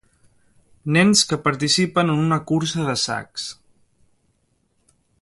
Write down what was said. Nens que participen en una cursa de sacs.